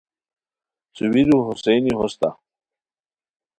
سوئیرو ہوسیئنی ہوستہ